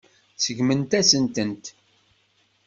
Seggment-asent-ten.